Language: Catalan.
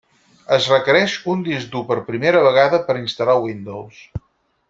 Es requereix un disc dur per primera vegada per instal·lar Windows.